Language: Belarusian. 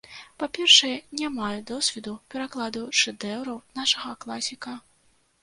Па-першае, не маю досведу перакладу шэдэўраў нашага класіка.